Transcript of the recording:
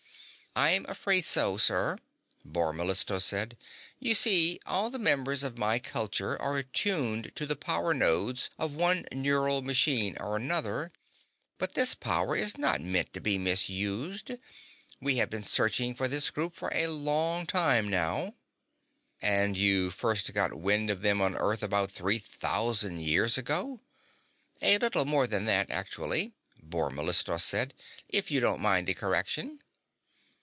"I'm afraid so, sir," Bor Mellistos said. "You see, all the members of my culture are attuned to the power nodes of one neural machine or another, but this power is not meant to be misused. We have been searching for this group for a long time now." "And you first got wind of them on Earth about three thousand years ago?" "A little more than that, actually," Bor Mellistos said, "if you don't mind the correction."